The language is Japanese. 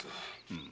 うん。